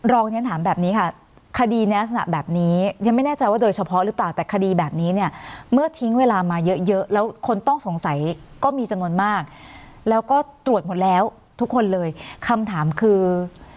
เรียนถามแบบนี้ค่ะคดีในลักษณะแบบนี้ยังไม่แน่ใจว่าโดยเฉพาะหรือเปล่าแต่คดีแบบนี้เนี่ยเมื่อทิ้งเวลามาเยอะแล้วคนต้องสงสัยก็มีจำนวนมากแล้วก็ตรวจหมดแล้วทุกคนเลยคำถามคือ